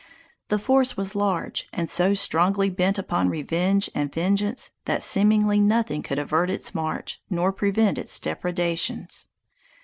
The force was large, and so strongly bent upon revenge and vengeance, that seemingly nothing could avert its march, nor prevent its depredations.